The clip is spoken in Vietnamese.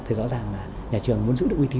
thì rõ ràng là nhà trường muốn giữ được uy tín